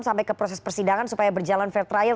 sampai ke proses persidangan supaya berjalan fair trial